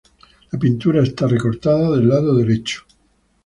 La pintura está recortada del lado derecho.